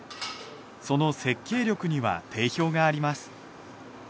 その設計力には定評があります。